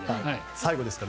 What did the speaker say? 最後ですから。